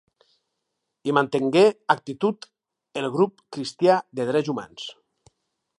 Hi mantengué actiu el Grup cristià de Drets Humans.